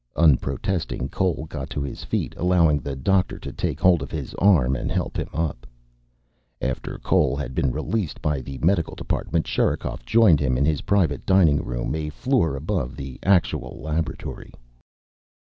Unprotesting, Cole got to his feet, allowing the doctor to take hold of his arm and help him up. After Cole had been released by the medical department, Sherikov joined him in his private dining room, a floor above the actual laboratory.